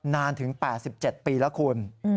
นานถึง๘๗ปีแล้วคุณ